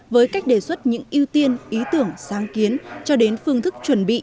với cách đề xuất những ưu tiên ý tưởng sáng kiến cho đến phương thức chuẩn bị